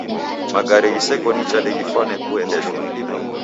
Magare ghiseko nicha ndeghifwane kuendeshwa.